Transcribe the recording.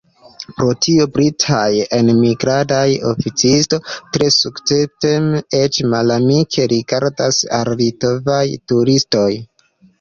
Pro tio britaj enmigradaj oficistoj tre suspekteme, eĉ malamike, rigardas al litovaj turistoj.